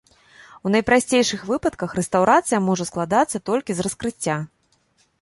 У найпрасцейшых выпадках рэстаўрацыя можа складацца толькі з раскрыцця.